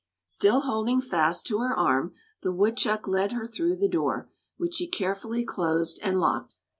Still holding fast to her arm, the woodchuck led her through the door, which he carefully closed and locked.